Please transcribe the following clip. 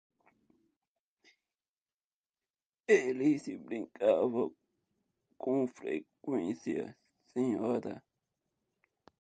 Eles brigavam com frequência, senhora?